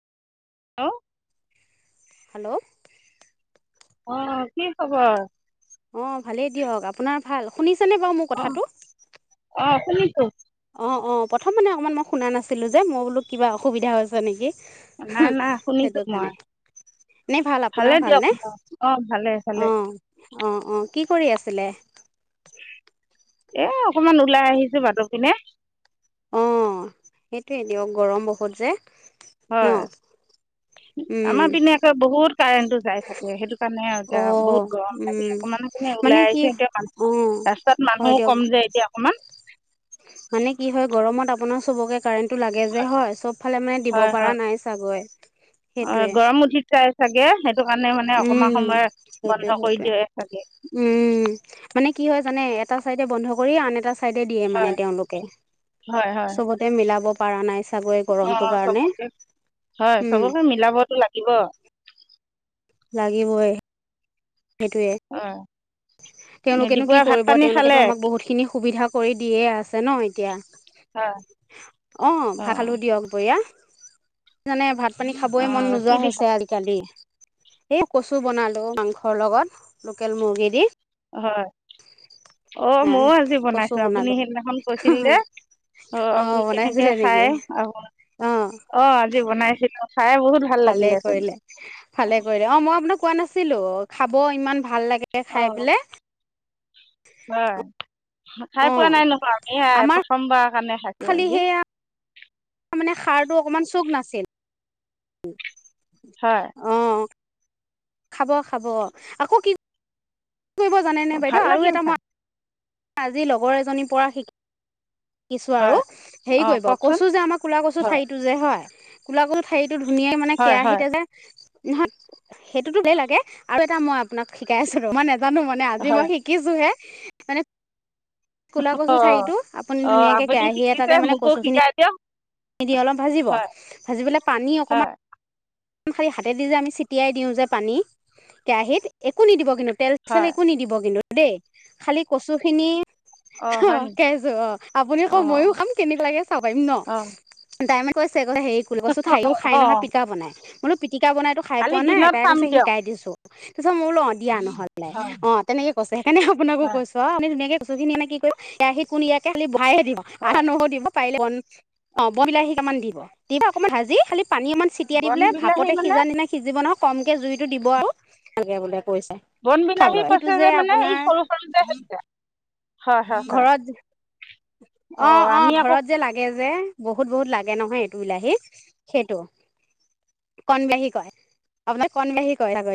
আহ হেল্ল' অ কি খবৰ অঁ ভালেই দিয়ক আপোনাৰ ভাল শুনিছেনেে বাৰু মোৰ কথাটো অ শুনিছো অঁ অঁ প্ৰথম মানে অকণমান মই শুনা নাছিলোঁ যে মই বোলো কিবা অসুবিধা হৈছে নেকি নাই না শুনিক ম নে ভাল আপোনাৰ ভাল নে অঁ ভালে ভালে অ অ অ কি কৰি আছে ছিলছিলে এ অকমান ওলাই আহিছো মানহ পিনে অ সেইটোোৱে দিয়ক গৰম বহুত যে ন হয় আমাৰ পিনোকে বহুত কাৰেণ্টটো যাই থাকে সেইটো কাৰণে এতিয়া অঁ বহুত গৰম লাগে আকৌ মানে ওলাই আহিছো এন্তয়া অঁ ৰাস্তাত হয় মানুহও দিয়ক কম যায় এতিয়া অকমান মানে কি হয় গৰমত আপোনাৰ চবকে কাৰেণ্টটো লাগে যে হয় চব ফালে মানে দিব পৰাা নাই চাগৈ অ সেইটোৱে গৰম উঠি যাই চাগে সেইটো কাৰণে মানে অকমান উম সময় সেইটোৱে বন্ধ কৰি সেইটোৱে দিয়ে চাগে উম মানে কি হয় জানে এটা চাইডে বন্ধ কৰি আন এটা চাইডে দিয়ে মানে হয় তেওঁলোকে চবতে মিলাব পৰা নাই চাগৈ অ গৰমটোৰ কাৰণে চবকে হয় উম চবকে মিলাবতো লাগিব লাগিবই সেইটোৱে তেওঁলোকেনো কি দিপুৱাই ভাত কৰিব পানী খালে তেওঁলোকেতো আমাক বহুতখিনি সুবিধা কৰি দিয়ে আছে ন এতিয়া হয় অ ভাত অঁ আলু দিয়ক বঢিয়য়া মানে ভাত পানী খাবই মন অঁ কি নোযোৱা দি খালে হৈছে আজিকালি এই কচু বনালো মাংসৰ লগত লোকেল মুৰ্গী দি হয় অ এ ময়ও আজি কচু বনাইছো আপুনি বনালো সিদিনাখন কৈছিল দে অ আ কেনেকে বনাইছিলে খাই নেকি আ অ অ আজি বনাইছিলো ভালে কৰিলে ভালে কৰিলে অ মই আপোনাক কোৱা নাছিল ছিলো খাব ইমান ভাল লাগে খাই অঁ প হয় খাই অ পোৱা নাই নহয় আমিাই আমাৰ প্ৰথমবাৰ কাৰণে খাকো খালি আৰুজি সেয়া মানে সাৰটো অকমান চুখ নাছিল হয় অ খাব খাব আকৌ কি কি কৰিব জানেনেে ভাল বাইদেউ আৰু লাগিল এটা খাই মই আজি লগৰ এজনীৰ পৰা শিক িছো আৰু হয় হেৰি অঁ কৰিব কওকচোন কচু যে আমাৰ কুলা কচু হয় ঠাৰিটো যে হয় ক'লা কচু ঠাৰিত টো ধুনীয়াই মানে হয় হয় কেৰাহীতে যোয় নহত সেইটোতো দেই লাগে আৰু এটা মই আপোনাক শিকাই আছোঁ মই নাজানো মানে আজি হয় মই শিকিছোঁহে মানে কলা কচু অঁ ঠাৰিটো আপুনি অঁ ধুনীয়াকৈ আপুনি কেৰাহী শিকিছে এটাতে মানে মোকো কচুখিনি শিকাই দিয়ক দি অলপ ভাজিব হয় ভাজি পেলাই পানী অকণমান হয় খালি হাতে দি যে আমি ছটিয়াই দিওঁ যে পানী কেৰাহীত একো নিদিব কিন্তু তেল চেল হয় একো নিদিব কিন্তু দেই খালি কচু খিনি অঁ হয় অ', নেকি কযোৰ অ', আপুনি কৌ অঁ ময়ো খাম কেনেকুৱা লাগে চাব পাৰিম ন'। অঁ ডায়মেণ্ড কৈছে হেৰি কোল কৈছোন ঠাৰিও খাই নহয় অঁ পিকা বনাই মোলো তিটিকা বনাইতো খাই কালি পোৱা নাই দিনত তাই চাম কৈছে দিয়ক শিকাই দিছো তাৰিছত মোৰো ল দিয়া নহ'লে হয় অ', তেনেকে কছে সেইকাৰে আপোনাকো হয় কৈছ অ আপু ধুনাক কৈছুিনিনে কি কৰিছ সি কোন ইয়াক খালি ভ দ অঁ আধা নহৰু দিব পাৰিলে ব অ', ব বিলাহী কামান দিব দিবা অকমান হাজি খালি পানী অকমান ছিটিয়াইনি বন বোলে বিলাহী ভাপতে মানে সিজা নিনা সিজিব নহয় কমকে জুইতো দিব আৰু তেনেকে বোলে বন বিলাহী খাবলৈ সেইটো কৈছে যে মানে এই আপোনাৰ সৰু সৰু যে হৈছে হয় হয় হয় ঘৰত যে অ', অ', আমি আকৌ ঘৰত যে লাগে যে বহুত, বহুত লাগে নহয় এইটো বিলাহী সেইটো। কণবিলাহী কয় আপোনাক কণবাহী কয় তাকৰি